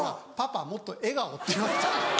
「パパもっと笑顔」って言われた。